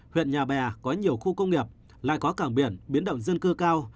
huyện nhà bè có nhiều khu công nghiệp lại có cảng biển biến động dân cư cao